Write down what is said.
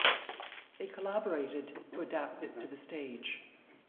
They collaborated to adapt it to the stage.